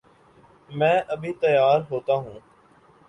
میں ابھی تیار ہو تاہوں